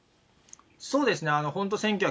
そうですね、本当